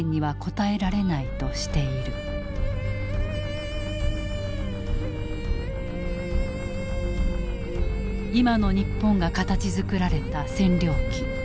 今の日本が形づくられた占領期。